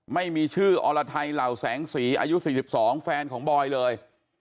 ไม่มีชื่ออรไทยเหล่าแสงสีอายุ๔๒แฟนของบอยเลย